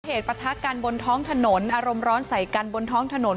ประทะกันบนท้องถนนอารมณ์ร้อนใส่กันบนท้องถนน